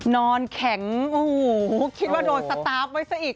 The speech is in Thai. นอนแข็งโอ้โหคิดว่าโดนสตาร์ฟไว้ซะอีก